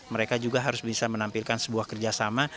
mereka juga harus bisa menampilkan sebuah kerjasama